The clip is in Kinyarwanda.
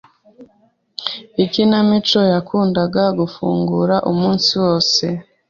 Ikinamico yakundaga gufungura umunsi wose.